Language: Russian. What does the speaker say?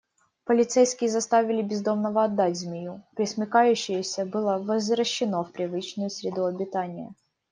Полицейские заставили бездомного отдать змею, пресмыкающееся было возвращено в привычную среду обитания.